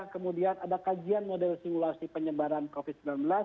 kemudian ada kajian model simulasi penyebaran covid sembilan belas